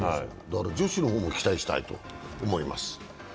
女子の方も期待したいと思います。